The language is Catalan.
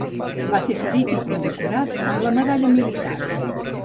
Va ser ferit i condecorat amb la Medalla Militar.